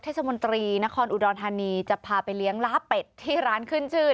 สมนตรีนครอุดรธานีจะพาไปเลี้ยงล้าเป็ดที่ร้านขึ้นชื่อ